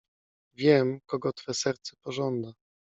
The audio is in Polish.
Wiem, kogo twe serce pożąda.